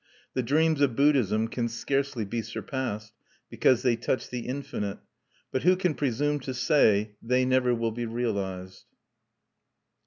The dreams of Buddhism can scarcely be surpassed, because they touch the infinite; but who can presume to say they never will be realized?